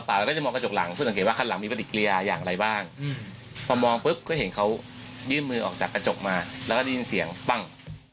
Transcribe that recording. ปรอมถึงพุดก็เห็นเขามือออกจากกระจกมาและว่ายินเสียงปั้ง